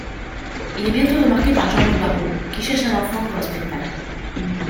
Il est bientôt remarqué par Jean-Louis Barrault, qui cherche un enfant pour un spectacle.